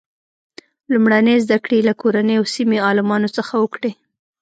لومړنۍ زده کړې یې له کورنۍ او سیمې عالمانو څخه وکړې.